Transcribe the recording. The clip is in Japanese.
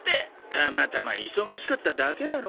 たまたま忙しかっただけだろ。